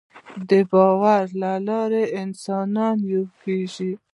د باور له لارې انسانان یو کېږي.